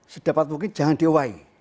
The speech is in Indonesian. sedapat mungkin jangan diuway